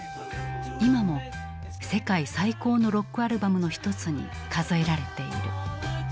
今も世界最高のロックアルバムの一つに数えられている。